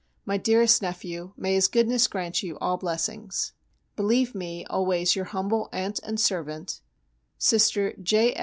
My dearest nephew, may His goodness grant you all blessings. Believe me always your humble aunt and servant, Sister J. F.